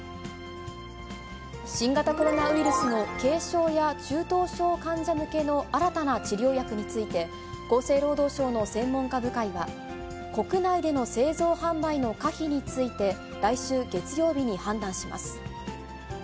新型コロナウイルスの軽症や中等症患者向けの新たな治療薬について、厚生労働省の専門家部会は、国内での製造販売の可否について来週月曜日に判断します。